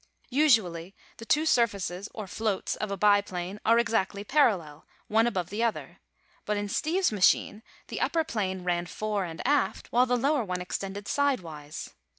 Usually the two surfaces, or floats, of a biplane are exactly parallel, one above the other; but in Steve's machine the upper plane ran fore and aft, while the lower one extended sidewise.